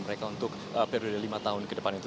mereka untuk periode lima tahun ke depan itu